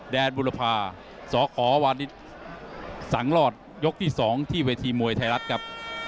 แดนบุรพาสอขอวาลิสสังรอดยกที่สองที่วิธีมวยไทยรัฐครับ